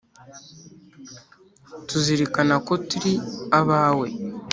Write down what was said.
tuzirikana ko turi abawe.